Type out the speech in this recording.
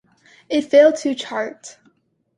It failed to chart.